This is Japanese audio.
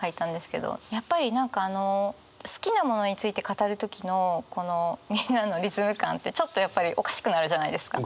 やっぱり好きなものについて語る時のこのみんなのリズム感ってちょっとやっぱりおかしくなるじゃないですか。